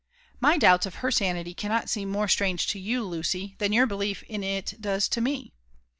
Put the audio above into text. '' My doubts of her sanity cannot seem more strange to you, Lucy, than your belief in it does to me."